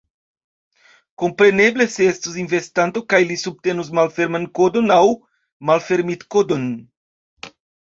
Kompreneble, se estus investanto kaj li subtenus malferman kodon aŭ malfermitkodon